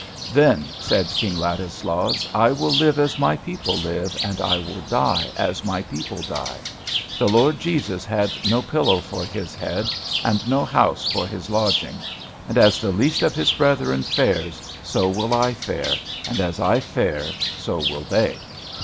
"Then," said King Ladislaus, "I will live as my people live, and I will die as my people die. The Lord Jesus had no pillow for his head, and no house for his lodging; and as the least of his brethren fares so will I fare, and as I fare so shall they."